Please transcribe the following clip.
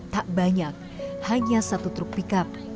tak banyak hanya satu truk pickup